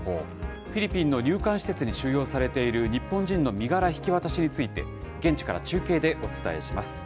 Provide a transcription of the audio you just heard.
フィリピンの入管施設に収容されている日本人の身柄引き渡しについて、現地から中継でお伝えします。